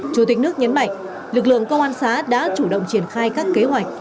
chủ tịch nước nhấn mạnh lực lượng công an xã đã chủ động triển khai các kế hoạch